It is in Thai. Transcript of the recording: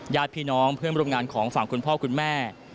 ญาติพี่น้องเพื่อนร่วมงานของฝั่งคุณพ่อคุณแม่